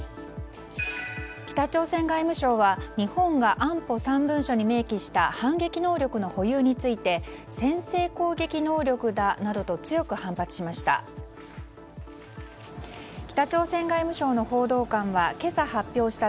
北朝鮮外務省は日本が安保３文書に明記した反撃能力の保有について先制攻撃能力だなどと強く反発しました。